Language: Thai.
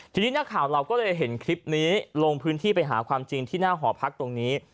ทีนี้นักข่าวเราก็เลยเห็นคลิปนี้ลงพื้นที่ไปหาความจริงที่หน้าหอพักตรงนี้